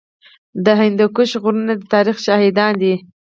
د هندوکش غرونه د تاریخ شاهدان دي